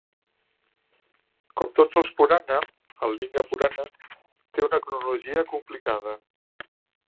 Com tots els purana, el "Linga Purana" té una cronologia complicada.